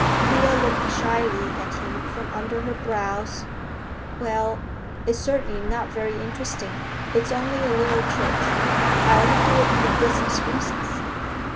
Thea looked shyly at him from under her brows. "Well, it's certainly not very interesting. It's only a little church. I only do it for business reasons."